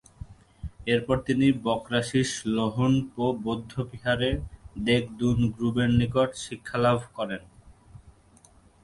এরপর তিনি ব্ক্রা-শিস-ল্হুন-পো বৌদ্ধবিহারে দ্গে-'দুন-গ্রুবের নিকট শিক্ষালাভ করেন।